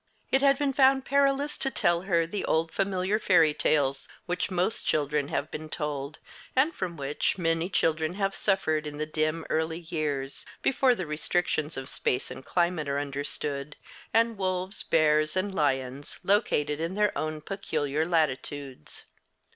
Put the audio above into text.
It had been found perilous to tell her the old familiar fairy tales which most children have been told, and from which many children have suffered in the dim early years, before the restrictions of space and climate are understood, and wolves, bears, and lions located in their own peculiar latitudes.